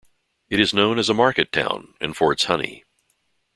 It is known as a market town and for its honey.